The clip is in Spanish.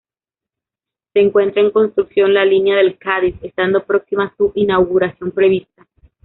Se encuentra en construcción la línea del Cádiz, estando próxima su inauguración prevista.